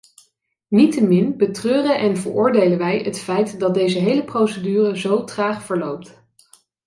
Niettemin betreuren en veroordelen wij het feit dat deze hele procedure zo traag verloopt.